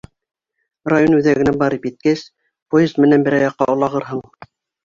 — Район үҙәгенә барып еткәс, поезд менән берәй яҡҡа олағырһың.